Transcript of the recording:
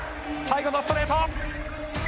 最後のストレート。